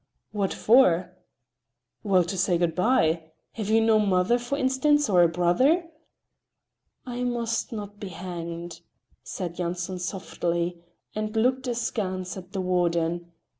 "What for?" "Well, to say good by! Have you no mother, for instance, or a brother?" "I must not be hanged," said Yanson softly, and looked askance at the warden.